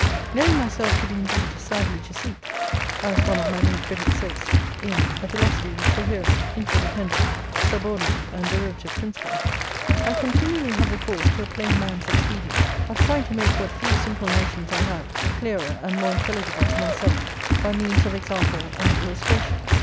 Knowing myself to be indeed sadly to seek, as one of my many critics says, in "a philosophy with coherent, interdependent, subordinate and derivative principles," I continually have recourse to a plain man's expedient of trying to make what few simple notions I have, clearer, and more intelligible to myself, by means of example and illustration.